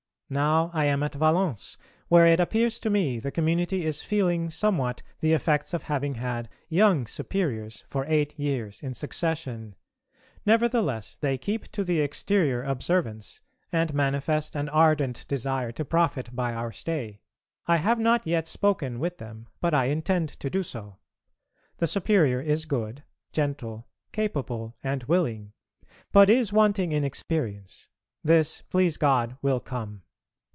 Now I am at Valence, where it appears to me the community is feeling somewhat the effects of having had young Superiors for eight years in succession; nevertheless they keep to the exterior observance and manifest an ardent desire to profit by our stay. I have not yet spoken with them, but I intend to do so. The Superior is good, gentle, capable, and willing, but is wanting in experience; this, please God, will come.